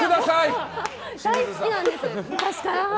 大好きなんです、昔から。